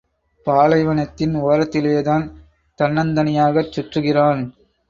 பாலைவனத்தின் ஓரத்திலேதான் தன்னந் தனியாகச் சுற்றுகிறான்.